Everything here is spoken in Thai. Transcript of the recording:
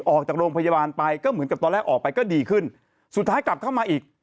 ออกจากโรงพยาบาลไปก็เหมือนกับตอนแรกออกไปก็ดีขึ้นสุดท้ายกลับเข้ามาอีก